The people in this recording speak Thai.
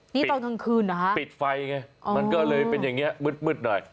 นี่ตอนกลางคืนเหรอฮะปิดไฟไงมันก็เลยเป็นอย่างนี้มืดหน่อย